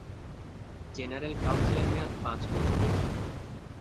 General কাউন্সিলের মেয়াদ পাঁচ বছরের।